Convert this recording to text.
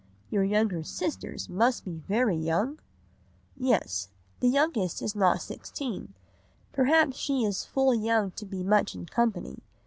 Your younger sisters must be very young?' "'Yes, the youngest is not sixteen. Perhaps she is full young to be much in company.